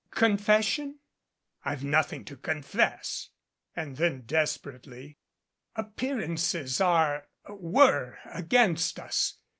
Confession?" "I've nothing to confess." And then desperately. "Appearances are were against us.